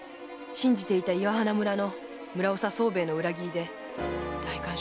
信じていた岩鼻村村長・宗兵衛の裏切りで代官所に密告され。